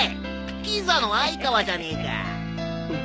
きざの愛川じゃねえか。